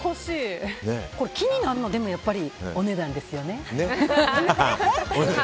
気になるのはやっぱりお値段ですよね。